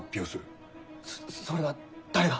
そそれは誰が？